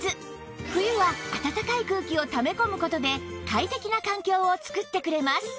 冬は暖かい空気をため込む事で快適な環境を作ってくれます